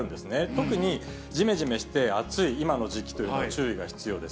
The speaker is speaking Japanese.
特にじめじめして暑い、今の時期というのは注意が必要です。